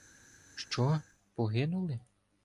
— Що? Погинули.